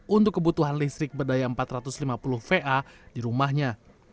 untuk kebutuhan listrik berdaya empat ratus lima puluh va di rumahnya